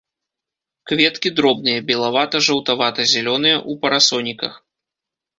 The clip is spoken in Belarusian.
Кветкі дробныя, белавата-жаўтавата-зялёныя, у парасоніках.